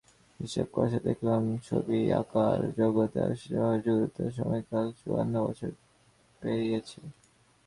হিসাব কষে দেখলাম, ছবি আঁকার জগতে আনুষ্ঠানিক যুক্ততার সময়কাল চুয়ান্ন বছর পেরিয়েছে।